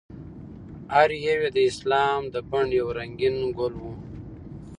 هر یو یې د اسلام د بڼ یو رنګین ګل و.